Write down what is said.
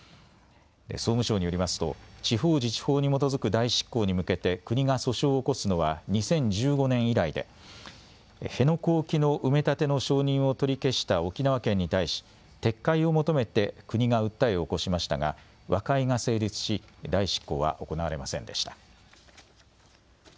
総務省によりますと地方自治法に基づく代執行に向けて国が訴訟を起こすのは２０１５年以来で辺野古沖の埋め立ての承認を取り消した沖縄県に対し撤回を求めて国が訴えを起こしましたが和解が成立し代執行は行われませんでした。